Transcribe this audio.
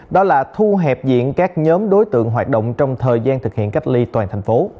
đó là thu hẹp diện các nhóm đối tượng hoạt động trong thời gian thực hiện cách ly toàn thành phố